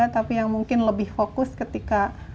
tapi yang mungkin lebih fokus ketika